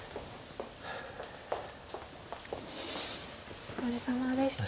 お疲れさまでした。